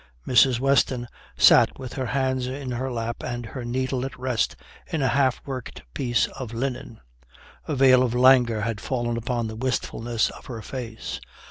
Mrs. Weston sat with her hands in her lap and her needle at rest in a half worked piece of linen. A veil of languor had fallen upon the wistfulness of her face.